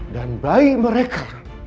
dan bayi mereka